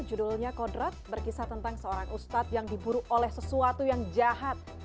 judulnya kodrat berkisah tentang seorang ustadz yang diburu oleh sesuatu yang jahat